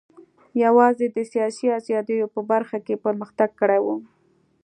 یوازې د سیاسي ازادیو په برخه کې پرمختګ کړی و.